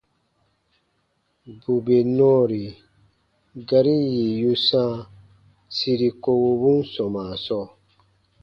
Bù bè nɔɔri gari yì yu sãa siri kowobun sɔmaa sɔɔ,